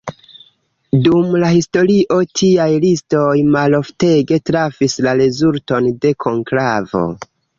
Dum la historio tiaj listoj maloftege trafis la rezulton de konklavo.